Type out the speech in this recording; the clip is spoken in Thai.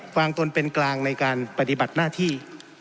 วางตนเป็นกลางในการปฏิบัติหน้าที่